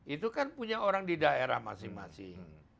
itu kan punya orang di daerah masing masing